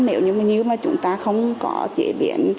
nếu như chúng ta không có chế biến